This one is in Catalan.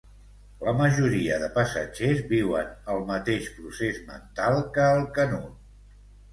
La majoria de passatgers viuen el mateix procés mental que el Canut.